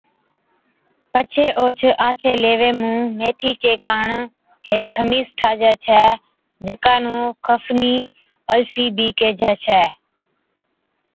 پڇي اوھچ آڇي ليوي مُون ميٿِي چي ڪاڻ ھيڪ خمِيس ٺاھجَي ڇَي جڪا نُون کفنِي/ الفِي بِي ڪيھي ھِتي